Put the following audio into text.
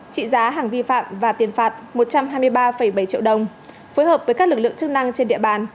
trị giá hàng vi phạm và tiền phạt một trăm hai mươi ba bảy triệu đồng phối hợp với các lực lượng chức năng trên địa bàn